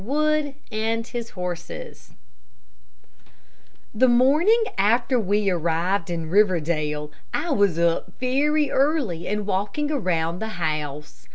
WOOD AND HIS HORSES The morning after we arrived in Riverdale I was up very early and walking around the house.